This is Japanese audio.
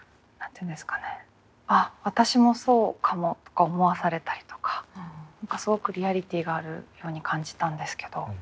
「あっ私もそうかも」とか思わされたりとかすごくリアリティーがあるように感じたんですけど。